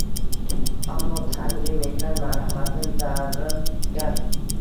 Ammo Tangri mendan marhamatini darig` tutgan